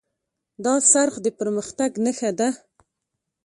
دا څرخ د پرمختګ نښه ده.